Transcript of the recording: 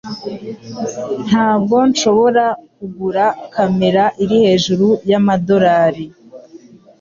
Ntabwo nshobora kugura kamera iri hejuru yamadorari .